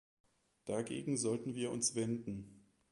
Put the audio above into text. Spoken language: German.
Dagegen sollten wir uns wenden!